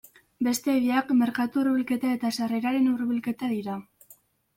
Beste biak, merkatu-hurbilketa eta sarreren hurbilketa dira.